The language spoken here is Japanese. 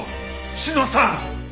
志乃さん！